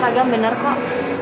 mas agam bener kok